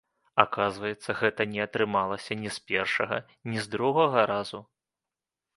Аказваецца, гэта не атрымалася ні з першага, ні з другога разу!